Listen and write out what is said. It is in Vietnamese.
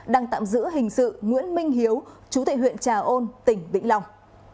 đang tạm giữ hình sự nguyễn minh hiếu chú thị huyện trà ôn tỉnh vĩnh lòng